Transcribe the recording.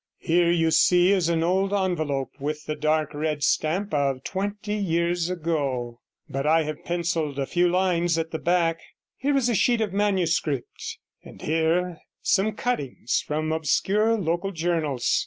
Here you see is an old envelope with the dark red stamp of twenty years ago, but I have pencilled a few lines at the back; here is a sheet of manuscript, and here some cuttings from obscure local journals.